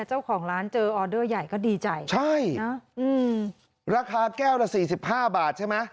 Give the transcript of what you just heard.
เจ้าของร้านเจอออเดอร์ใหญ่ก็ดีใจใช่ราคาแก้วละ๔๕บาทใช่ไหม